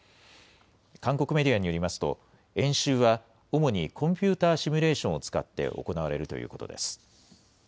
韓国メディアによりますと、演習は主にコンピューターシミュレーションを使って行われるということです。